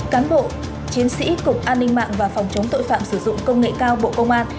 cán bộ chiến sĩ cục an ninh mạng và phòng chống tội phạm sử dụng công nghệ cao bộ công an